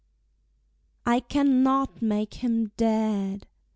I cannot make him dead!